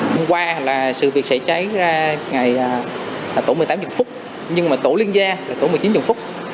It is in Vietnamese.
hôm qua là sự việc xảy cháy ra ngày tổ một mươi tám chừng phút nhưng mà tổ liên gia là tổ một mươi chín chừng phút